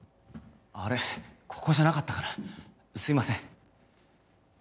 あれここじゃなかったかなすいません。